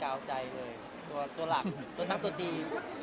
ตัวหลักตัวนักตัวดี